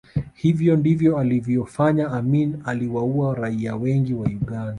Hivyo ndivyo alivyofanya Amin aliwaua raia wengi wa Uganda